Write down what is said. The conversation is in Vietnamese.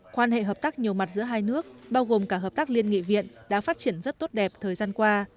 quan hệ hợp tác nhiều mặt giữa hai nước bao gồm cả hợp tác liên nghị viện đã phát triển rất tốt đẹp thời gian qua